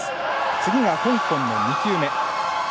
次が香港の２球目。